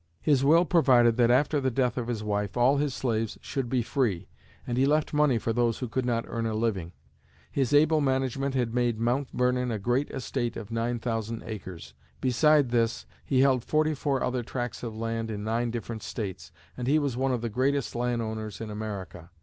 His will provided that, after the death of his wife, all his slaves should be free and he left money for those who could not earn a living. His able management had made Mount Vernon a great estate of nine thousand acres. Beside this, he held forty four other tracts of land in nine different States, and he was one of the greatest land owners in America.